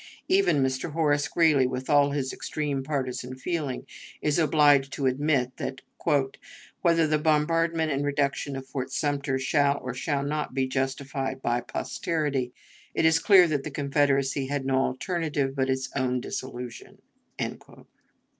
Even Mr. Horace Greeley, with all his extreme partisan feeling, is obliged to admit that, "whether the bombardment and reduction of Fort Sumter shall or shall not be justified by posterity, it is clear that the Confederacy had no alternative but its own dissolution."